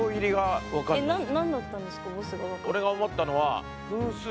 俺が思ったのは噴水。